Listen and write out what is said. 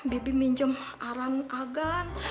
bibi minjem aran agan